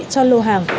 cho lô hàng